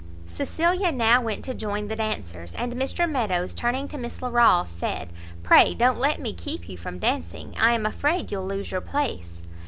Cecilia now went to join the dancers, and Mr Meadows, turning to Miss Larolles, said, "Pray don't let me keep you from dancing; I am afraid you'll lose your place."